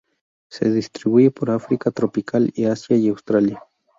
Se distribuye por África tropical, Asia y Australia.